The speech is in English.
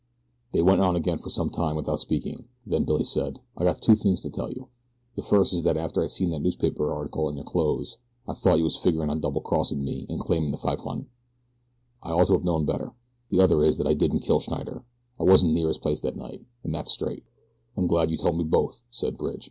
They went on again for some little time without speaking, then Billy said: "I got two things to tell you. The first is that after I seen that newspaper article in your clothes I thought you was figurin' on double crossin' me an' claimin' the five hun. I ought to of known better. The other is that I didn't kill Schneider. I wasn't near his place that night an' that's straight." "I'm glad you told me both," said Bridge.